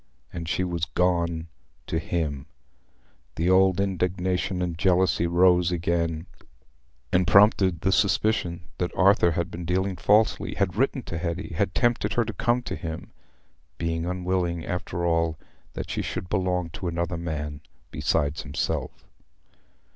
And she was gone to him. The old indignation and jealousy rose again, and prompted the suspicion that Arthur had been dealing falsely—had written to Hetty—had tempted her to come to him—being unwilling, after all, that she should belong to another man besides himself.